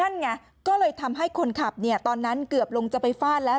นั่นไงก็เลยทำให้คนขับเนี่ยตอนนั้นเกือบลงจะไปฟาดแล้ว